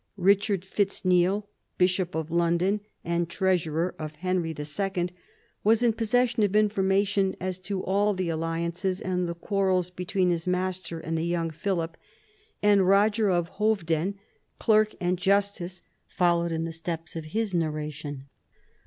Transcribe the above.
Richard Fitz Neal, bishop of London, and treasurer of Henry II., was in possession of information as to all the alliances and the quarrels between his master and the young Philip ; and Roger of Hoveden, clerk and justice, followed in the steps of his narration.